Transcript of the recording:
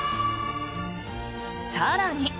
更に。